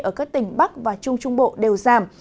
ở các tỉnh bắc và trung trung bộ đều giảm